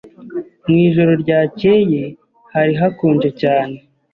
Mu ijoro ryakeye hari hakonje cyane.